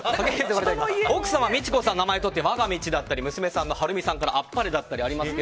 奥様・道子さんの名前をとって我が道だったり娘さんの晴美さんから天晴だったりありますが。